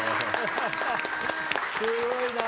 すごいなあ。